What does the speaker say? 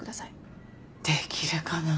できるかな。